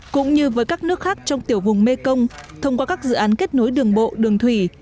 cũng như với các nước khác trong tiểu vùng mekong thông qua các dự án kết nối đường bộ đường thủy